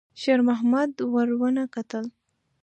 شېرمحمد ور ونه کتل.